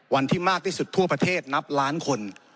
วันที่มากที่สุดทั่วประเทศนับล้านคน